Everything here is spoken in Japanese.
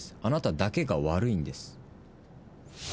「あなただけが悪いんです」